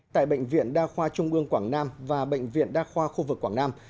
tại bệnh viện đa khoa trung ương quảng nam và bệnh viện đa khoa khu vực quảng nam